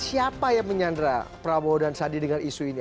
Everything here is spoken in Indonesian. siapa yang menyandra prabowo dan sandi dengan isu ini